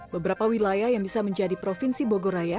beberapa wilayah yang bisa menjadi provinsi bogoraya